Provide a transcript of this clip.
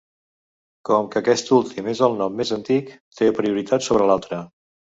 Com que aquest últim és el nom més antic, té prioritat sobre l'altre.